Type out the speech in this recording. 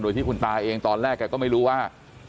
โดยที่คุณตาเองตอนแรกแกก็ไม่รู้ว่า